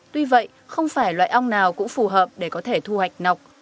tuy vậy không phải loại ong nào cũng phù hợp để có thể thu hoạch nọc